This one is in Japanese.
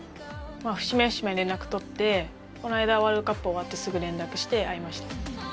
節目節目連絡取ってこの間ワールドカップ終わってすぐ連絡して会いました。